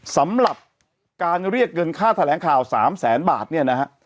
สำหรับการเรียกเงินค่าแถลงข่าว๓แสนบาทเนี่ยนะฮะ